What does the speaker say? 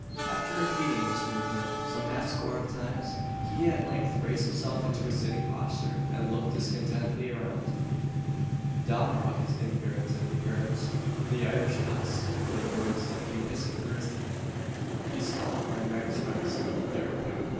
After repeating this movement some half score of times, he at length raised himself into a sitting posture, and looked discontentedly around. "Dod rot his ignorance and imperence the Irish cuss!" were the words that came hissing through his teeth. "He's spoilt my night's rest, durn him!